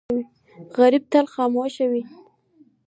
غریب تل خاموش وي